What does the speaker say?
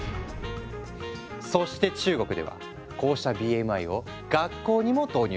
そして中国ではこうしたＢＭＩを学校にも導入している。